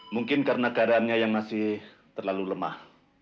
mungkin karena garamnya yang masih terlalu lemah